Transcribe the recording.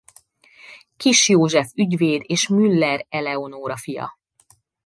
Kiss József ügyvéd és Müller Eleonóra fia.